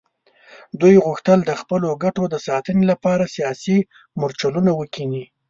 دوی غوښتل د خپلو ګټو د ساتنې لپاره سیاسي مورچلونه وکیني.